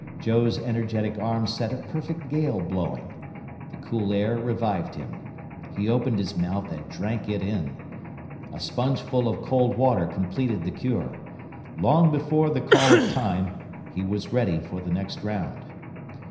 Joe's energetic arms set a perfect gale blowing. The cool air revived him. He opened his mouth and drank it in. A spongeful of cold water completed the cure. Long before the call of Time he was ready for the next round.